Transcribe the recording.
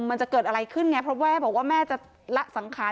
มันจะเกิดอะไรขึ้นไงเพราะแม่บอกว่าแม่จะละสังขาร